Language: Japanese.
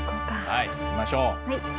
はい行きましょう。